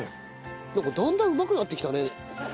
なんかだんだんうまくなってきたね。